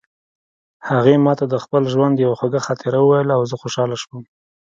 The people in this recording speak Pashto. هغې ما ته د خپل ژوند یوه خوږه خاطره وویله او زه خوشحاله شوم